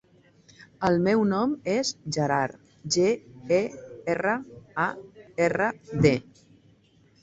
El meu nom és Gerard: ge, e, erra, a, erra, de.